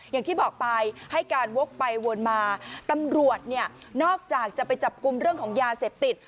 อย่างที่บอกไปให้การวกไปวนมาตำรวจเนี่ยนอกจากจะไปจับกลุ่มเรื่องของยาเสพติด